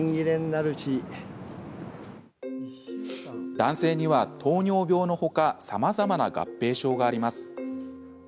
男性には糖尿病のほかさまざまな合併症があります。